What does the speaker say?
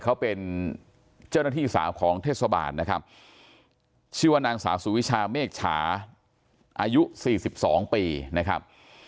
เขาเป็นเจ้าหน้าที่สาวของเทศบาลนะครับชื่อว่านางสาวสุวิชาเมฆฉาอายุ๔๒ปีนะครับ